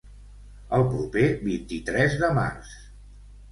El proper vint-i-tres de març.